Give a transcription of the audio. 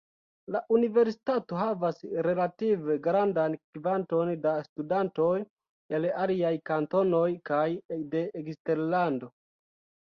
La universitato havas relative grandan kvanton da studantoj el aliaj kantonoj kaj de eksterlando.